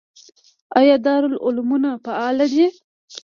آیا دارالعلومونه فعال دي؟